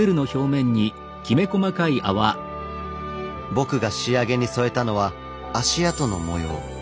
僕が仕上げに添えたのは足跡の模様。